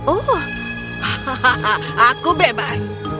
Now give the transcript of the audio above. oh hahaha aku bebas